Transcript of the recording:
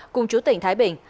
cùng chú tỉnh thái bình